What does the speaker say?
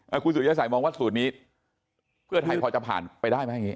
คุณสุริยสัยมองว่าสูตรนี้เพื่อไทยพอจะผ่านไปได้ไหมอย่างงี